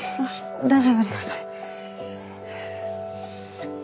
大丈夫です？